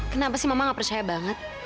kenapa sih mama gak percaya banget